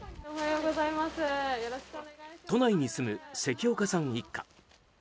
都内に住む関岡さん一家。